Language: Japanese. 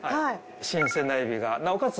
新鮮なエビがなおかつ